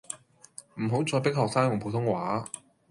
唔好再迫學生用普通話